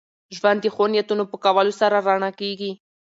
ژوند د ښو نیتونو په کولو سره رڼا کېږي.